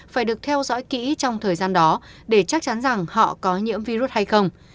phải được theo dõi kỹ trong thời gian đó để chắc chắn rằng họ có nhiễm virus hay không